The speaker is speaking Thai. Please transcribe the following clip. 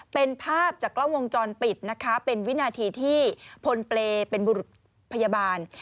เป็นภาพจากกล้องวงจรปิดนะคะเป็นวินาทีที่พลเปรย์เป็นบุรุษพยาบาล